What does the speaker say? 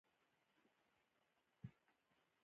ځان قوي ښکاره که! دوښمن مو غواړي تاسي کمزوری وویني.